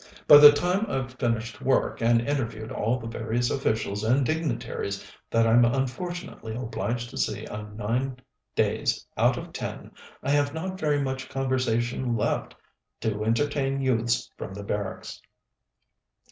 By the time I've finished work, and interviewed all the various officials and dignitaries that I'm unfortunately obliged to see on nine days out of ten, I have not very much conversation left to entertain youths from the barracks."